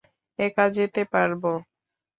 একা যেতে পারব।